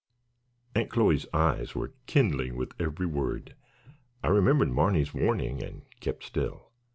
Aunt Chloe's eyes were kindling with every word. I remembered Marny's warning and kept stil.